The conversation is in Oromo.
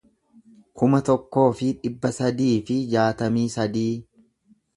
kuma tokkoo fi dhibba sadii fi jaatamii sadii